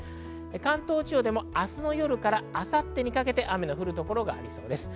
関東地方でも明日の夜から明後日にかけて雨の降る所がありそうです。